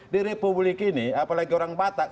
di republik ini apalagi orang batak